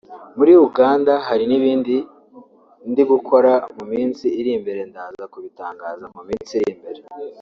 muri Uganda hari n’ibindi ndi gukora mu minsi iri imbere ndaza kubitangaza mu minsi iri imbere